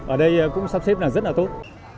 ở đây cũng sắp xếp rất là tốt